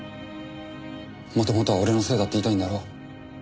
元々は俺のせいだって言いたいんだろ？